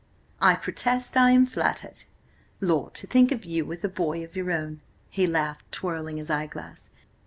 "I protest I am flattered. Lord, to think of you with a boy of your own!" He laughed, twirling his eyeglass.